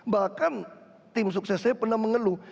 bahkan tim sukses saya pernah mengeluh